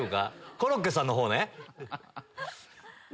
コロッケさんの方ね。